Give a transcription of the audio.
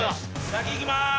先いきます